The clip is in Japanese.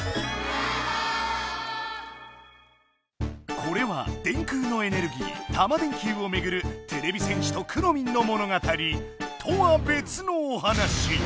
これは電空のエネルギータマ電Ｑをめぐるてれび戦士とくろミンの物語とはべつのお話。